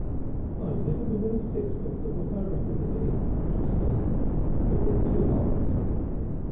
"I'm never within sixpence of what I reckon to be," she said. "It's a bit too 'ot."